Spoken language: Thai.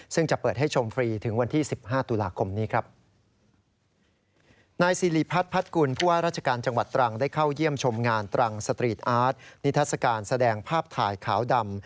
ซึ่งจะเปิดให้ชมฟรีถึงวันที่๑๕ตุลากม